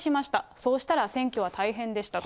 そうしたら選挙は大変でしたと。